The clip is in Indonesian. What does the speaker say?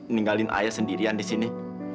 ninggalin ayah sendirian disini